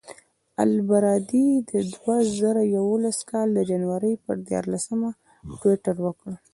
البرادعي د دوه زره یولسم کال د جنورۍ پر دیارلسمه ټویټر وکړ.